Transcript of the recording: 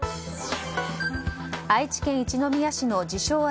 愛知県一宮市の自称